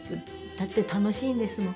だって楽しいんですもん。